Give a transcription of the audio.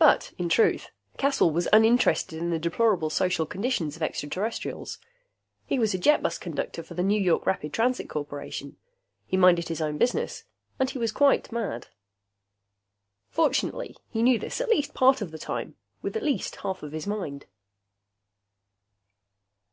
But in truth, Caswell was uninterested in the deplorable social conditions of extraterrestrials. He was a jetbus conductor for the New York Rapid Transit Corporation. He minded his own business. And he was quite mad. Fortunately, he knew this at least part of the time, with at least half of his mind.